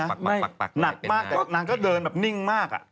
หนักมากด้วยนะหนักมากแล้วนางก็เดินแบบนิ่งมาก